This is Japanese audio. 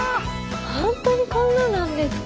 本当にこんなんなんですか？